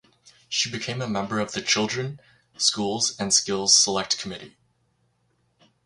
She became a member of the Children, Schools and Skills Select Committee.